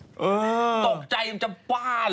ตกใจจำป้า